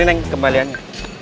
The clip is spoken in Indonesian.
ini naik ke kembaliannya